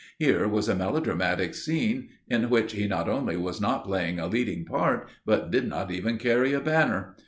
Here was a melodramatic scene in which he not only was not playing a leading part, but did not even carry a banner.